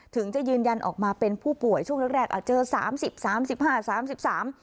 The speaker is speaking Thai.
ถึงจะยืนยันออกมาเป็นผู้ป่วยช่วงแรกแรกอ่ะเจอสามสิบสามสิบห้าสามสิบสาม